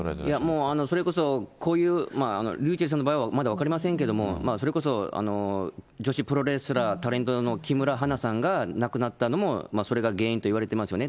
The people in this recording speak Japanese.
もう、それこそこういう、ｒｙｕｃｈｅｌｌさんの場合はまだ分かりませんけれども、それこそ女子プロレスラー、タレントの木村花さんが亡くなったのも、それが原因といわれてますよね。